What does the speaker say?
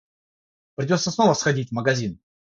Придётся снова сходить в магазин.